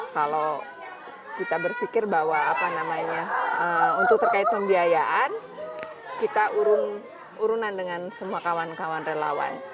kalau kita berpikir bahwa apa namanya untuk terkait pembiayaan kita urunan dengan semua kawan kawan relawan